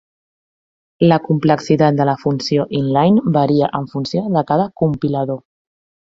La complexitat de la funció Inline varia en funció de cada compilador.